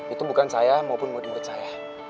itu bukan saya maupun murid murid saya